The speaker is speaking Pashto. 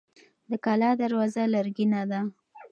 د کلا دروازه لرګینه ده.